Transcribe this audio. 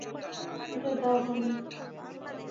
এটা দাও, বানি!